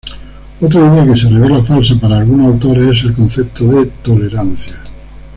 Otra idea que se revela falsa para algunos autores es el concepto de "tolerancia".